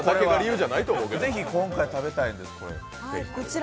ぜひ、今回食べたいんです、こちら。